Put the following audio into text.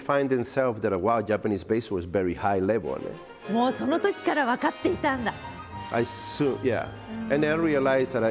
もうそのときから分かっていたんだ。